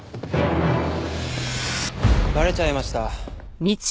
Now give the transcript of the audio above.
バレちゃいました？